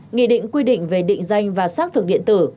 nghị định quy định về định danh và xác thực điện tử